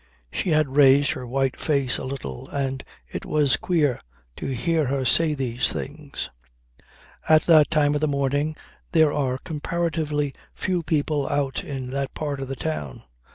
She had raised her white face a little, and it was queer to hear her say these things. At that time of the morning there are comparatively few people out in that part of the town.